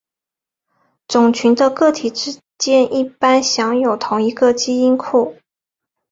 种群的个体之间一般享有同一个基因库。